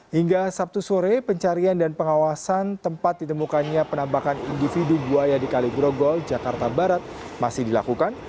hingga sabtu sore pencarian dan pengawasan tempat ditemukannya penambakan individu buaya di kaligrogol jakarta barat masih dilakukan